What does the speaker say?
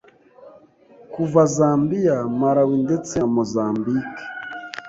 kuva Zambia, Malawi ndetse na Mozambique,